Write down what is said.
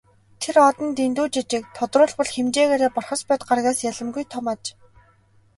Тэр од нь дэндүү жижиг, тодруулбал хэмжээгээрээ Бархасбадь гаригаас ялимгүй том аж.